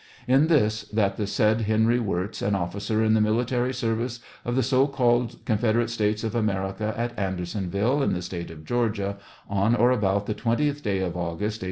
— In this : that the said Henry Wirz, an officer in the military service of the so called Confederate States of America, at Andersonville, in the State of Georgia, on or about the twentieth day of August, A.